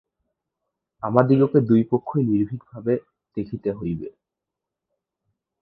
আমাদিগকে দুই পক্ষই নির্ভীকভাবে দেখিতে হইবে।